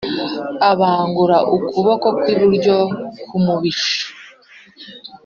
abangura ukuboko kw’iburyo nk’umubisha;